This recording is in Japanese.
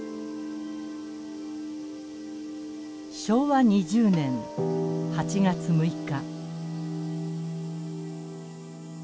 昭和２０年８月６日。